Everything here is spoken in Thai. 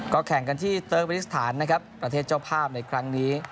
ก็แข่งกันที่เติร์กบินิสถานนะครับประเทศเจ้าภาพในครั้งนี้